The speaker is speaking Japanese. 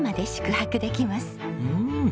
うん！